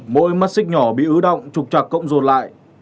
mỗi mắt xích nhỏ bị ứ động trục trặc cộng dồn lại